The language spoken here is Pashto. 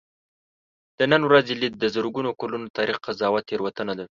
د نن ورځې لید د زرګونو کلونو تاریخ قضاوت تېروتنه ده.